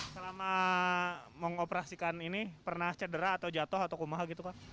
selama mengoperasikan ini pernah cedera atau jatuh atau kumah gitu kak